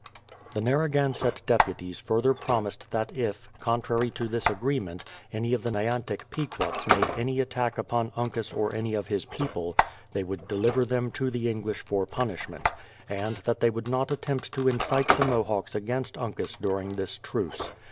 The Narragansett deputies further promised that if, con trary to this agreement, any of the Nyantick Pequots made any attack upon Uncas or any of his people, they would deliver them to the English for punishment, and that they would not attempt to incite the Mohawks against Uncas during this truce.